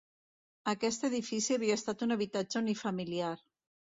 Aquest edifici havia estat un habitatge unifamiliar.